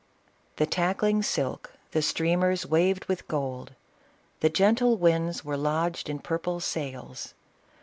" The tackling silk, the streamers waved with gold. The gentle winds were lodged in purple sails.